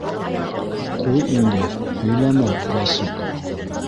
- Ҡуй инде, һөйләмә, Рәйсүк!